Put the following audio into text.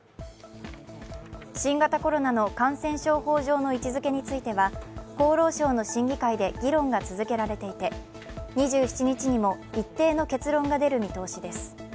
新型コロナの感染症法上の位置づけについては厚労省の審議会で議論が続けられていて２７日にも一定の結論が出る見通しです。